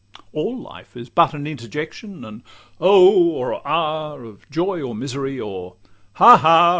All present life is but an interjection, An 'Oh!' or 'Ah!' of joy or misery, Or a 'Ha! ha!